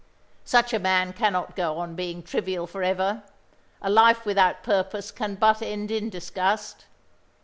Such a man cannot go on being trivial for ever. A life without purpose can but end in disgust.